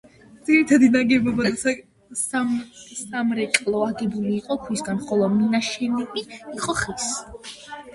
ძირითადი ნაგებობა და სამრეკლო აგებული იყო ქვისგან, ხოლო მინაშენები იყო ხის.